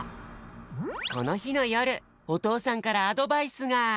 このひのよるおとうさんからアドバイスが。